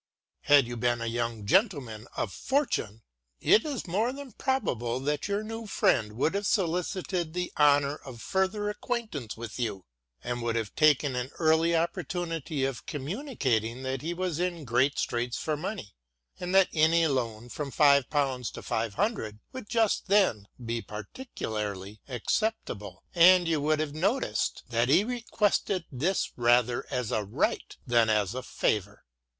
Had you been a young gentleman of 68 WILLIAM GODWIN 6^ fortune, it is more than probable that your new friend would have solicited the honour of further acquaintance with you, and would have taken an early opportunity of communicating that he was in great straits for money, and that any loan from five pounds to five hundred would just then be particularly acceptable ; and you would have noticed that he requested this rather as a right than as a favour.